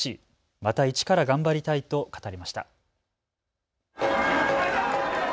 また一から頑張りたいと語りました。